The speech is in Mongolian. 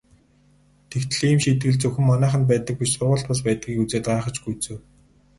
Тэгтэл ийм шийтгэл зөвхөн манайханд байдаг биш сургуульд бас байдгийг үзээд гайхаж гүйцэв.